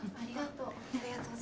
ありがとう。